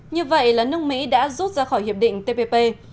như vậy là nước mỹ đã rút ra khỏi hiệp định tpp